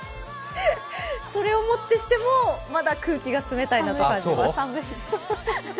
それをもってしてもまだ空気が冷たいなと感じます。